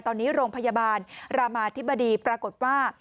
ตอนนี้โรงพยาบาลรามาธิบดีปรากฏว่า